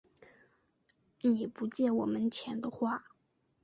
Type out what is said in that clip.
你不借我们钱的话